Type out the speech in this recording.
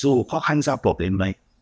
dù khó khăn giao phục đến mấy